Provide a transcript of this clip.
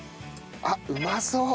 あっうまそう！